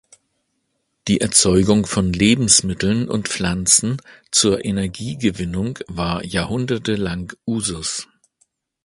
Die Erzeugung von Lebensmitteln und Pflanzen zur Energiegewinnung war Jahrhunderte lang Usus.